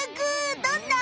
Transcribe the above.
どんな？